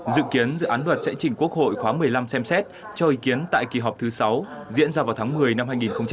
dự kiến dự án luật sẽ chỉnh quốc hội khóa một mươi năm xem xét cho ý kiến tại kỳ họp thứ sáu diễn ra vào tháng một mươi năm hai nghìn hai mươi